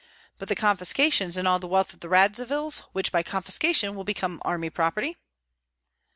But the confiscations, and all the wealth of the Radzivills, which by confiscation will become army property?"